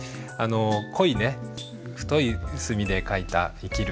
濃い太い墨で書いた「生きる」。